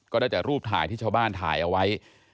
ได้แต่รูปถ่ายที่ชาวบ้านถ่ายเอาไว้